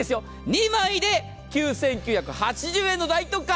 ２枚で９９８０円の大特価。